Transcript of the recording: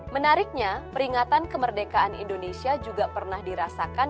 menariknya peringatan kemerdekaan indonesia juga pernah dirasakan